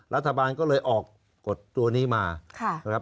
รัฐบาลก็เลยออกกดตัวนี้มาค่ะ